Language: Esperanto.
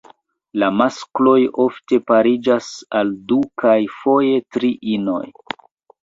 La maskloj ofte pariĝas al du kaj foje tri inoj.